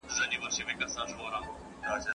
چي غول خورې کاچوغه تر ملا گرځوه.